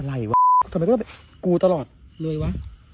อะไรวะทำไมก็ต้องกูตลอดเลยวะ